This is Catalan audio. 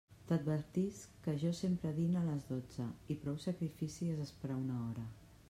T'advertisc que jo sempre dine a les dotze, i prou sacrifici és esperar una hora.